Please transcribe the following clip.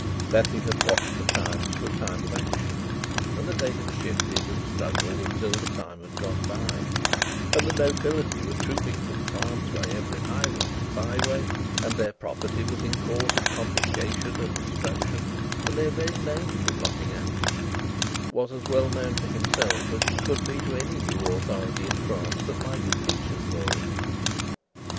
That he had watched the times for a time of action, and that they had shifted and struggled until the time had gone by, and the nobility were trooping from France by every highway and byway, and their property was in course of confiscation and destruction, and their very names were blotting out, was as well known to himself as it could be to any new authority in France that might impeach him for it.